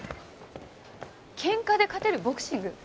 喧嘩で勝てるボクシング！？